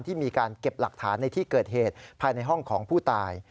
ที่มีการเก็บหลักฐานในที่เกิดเหตุภายในห้องของผู้ตาย